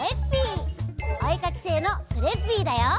おえかきせいのクレッピーだよ！